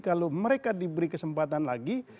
kalau mereka diberi kesempatan lagi